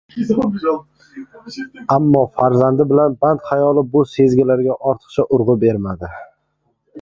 Ammo farzandi bilan band xayoli bu sezgilarga ortiqcha urg`u bermadi